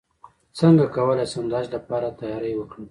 څنګه کولی شم د حج لپاره تیاری وکړم